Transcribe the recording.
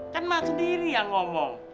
kan mah sendiri yang ngomong